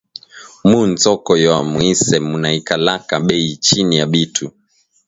Mu nsoko ya moise munaikalaka beyi chini ya bitu